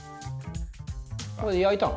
これ焼いたの？